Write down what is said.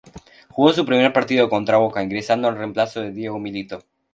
Jugó su primer partido contra Boca, ingresando en reemplazo de Diego Milito.